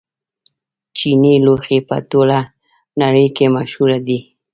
چیني لوښي په ټوله نړۍ کې مشهور دي.